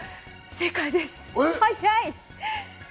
正解です。